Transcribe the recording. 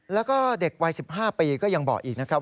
แล้วก็เด็กวัย๑๕ปีก็ยังบอกอีกนะครับ